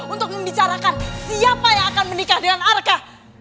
untuk membicarakan siapa yang akan menikah dengan arka